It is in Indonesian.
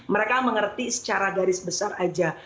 mereka mengerti secara garis besar aja